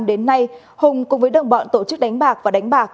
đến nay hùng cùng với đồng bọn tổ chức đánh bạc và đánh bạc